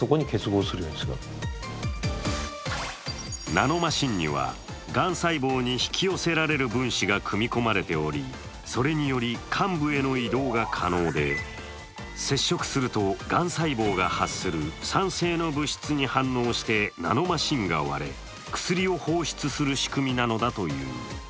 ナノマシンには、がん細胞に引き寄せられる分子が組み込まれており、それにより患部への移動が可能で接触すると、がん細胞が発する酸性の物質に反応して、ナノマシンが割れ薬を放出する仕組みなのだという。